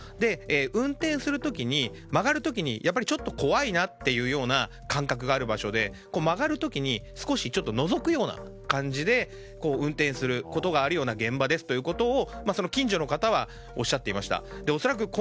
運転する時、曲がる時にやっぱりちょっと怖いというような感覚がある場所で曲がる時に少しのぞくような感じで運転することがあるような現場ですということを近所の方はおっしゃっていました。